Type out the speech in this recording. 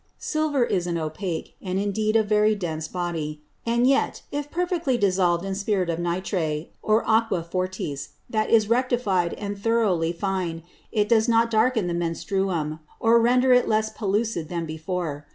Silver is an Opake, and indeed a very dense Body; and yet, if perfectly dissolved in Spirit of Nitre, or Aqua Fortis, that is rectified and thorowly fine, it does not darken the Menstruum, or render it less pellucid than before.